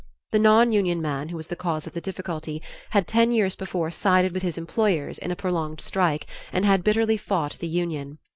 The non union man who was the cause of the difficulty had ten years before sided with his employers in a prolonged strike and had bitterly fought the union.